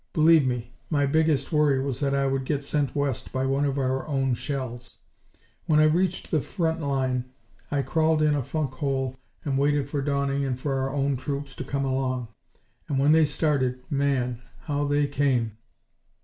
Believe me, my biggest worry was that I would get sent west by one of our own shells. When I reached the front line I crawled in a funk hole and waited for dawning and for our own troops to come along. And when they started, man! how they came!